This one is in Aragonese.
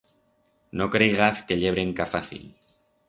No creigaz que ye brenca fácil.